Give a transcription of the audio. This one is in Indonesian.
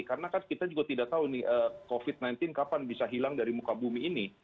karena kan kita juga tidak tahu covid sembilan belas kapan bisa hilang dari muka bumi ini